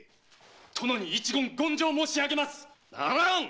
殿に一言言上申し上げます！ならん！